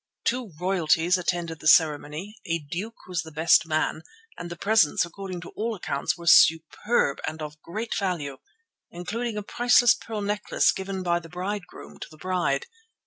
Two Royalties attended the ceremony, a duke was the best man, and the presents according to all accounts were superb and of great value, including a priceless pearl necklace given by the bridegroom to the bride.